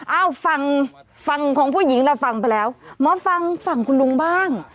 เอ้าฟังฝั่งของผู้หญิงเราฟังไปแล้วมาฟังฝั่งคุณลุงบ้าง